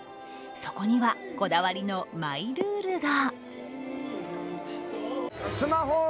そこにはこだわりのマイルールが。